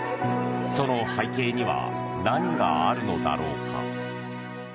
その背景には何があるのだろうか。